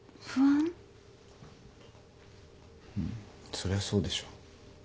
そりゃそうでしょ。